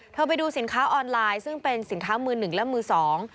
ไปดูสินค้าออนไลน์ซึ่งเป็นสินค้ามือหนึ่งและมือสอง